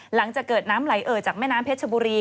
หลังจากเกิดน้ำไหลเอ่อจากแม่น้ำเพชรชบุรี